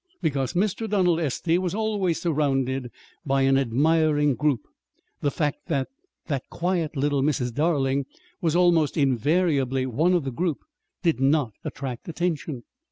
Because Mr. Donald Estey was always surrounded by an admiring group, the fact that "that quiet little Mrs. Darling" was almost invariably one of the group did not attract attention.